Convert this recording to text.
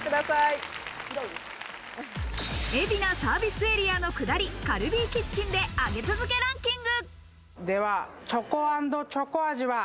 海老名サービスエリアの下り、カルビーキッチンで上げ続けランキング。